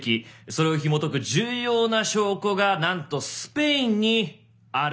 それをひもとく重要な証拠がなんとスペインにあるそうなんです。